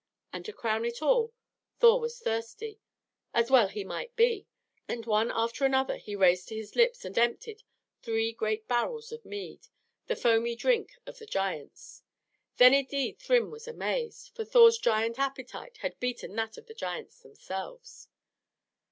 And to crown it all, Thor was thirsty, as well he might be; and one after another he raised to his lips and emptied three great barrels of mead, the foamy drink of the giants. Then indeed Thrym was amazed, for Thor's giant appetite had beaten that of the giants themselves.